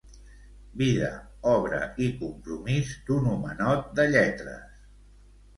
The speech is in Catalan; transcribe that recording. Vida, obra i compromís d'un homenot de lletres'.